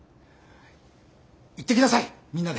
行ってきなさいみんなで。